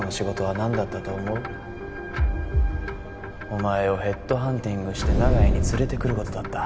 お前をヘッドハンティングして長屋に連れてくる事だった。